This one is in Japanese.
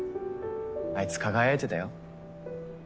あいつ輝いてたよ。